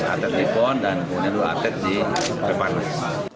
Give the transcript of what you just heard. dua belas atlet di pon dan kemudian dua atlet di peparnas